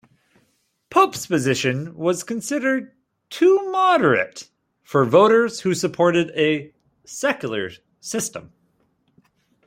Pope's position was considered too moderate for voters who supported a secular system.